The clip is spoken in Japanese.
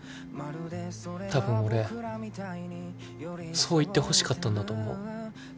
たぶん俺そう言ってほしかったんだと思う。